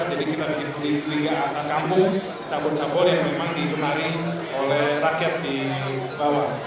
jadi kita bikin liga antar kampung cabur cabur yang memang dikenali oleh rakyat di bawah